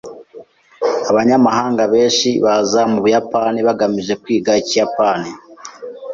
Abanyamahanga benshi baza mu Buyapani bagamije kwiga Ikiyapani.